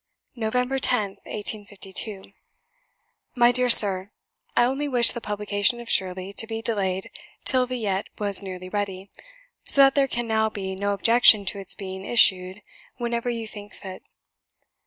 "Nov. 10th, 1852. "My dear Sir, I only wished the publication of 'Shirley' to be delayed till 'Villette' was nearly ready; so that there can now be no objection to its being issued whenever you think fit.